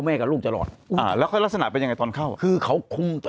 แม่กับลูกจะรอดแล้วลักษณะเป็นยังไงตอนเข้าคือเขาคุมตัว